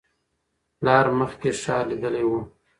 پلار مخکې ښار لیدلی و.